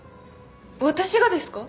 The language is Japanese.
私がですか？